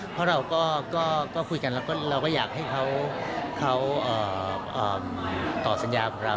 เพราะเราก็คุยกันแล้วก็เราก็อยากให้เขาต่อสัญญาของเรา